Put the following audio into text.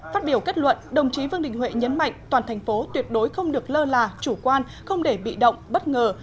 phát biểu kết luận đồng chí vương đình huệ nhấn mạnh toàn thành phố tuyệt đối không được lơ là chủ quan không để bị động bất ngờ